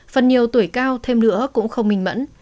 phần nhiều tuổi cao thêm nữa cũng không minh mẫn